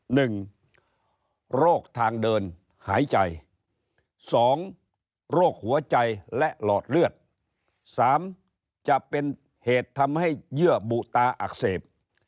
หนึ่งโรคทางเดินหายใจสองโรคหัวใจและหลอดเลือดสามจะเป็นเหตุทำให้เยื่อบุตาอักเสบ